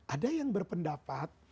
ada yang berpendapat